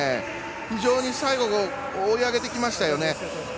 非常に最後追い上げてきましたよね。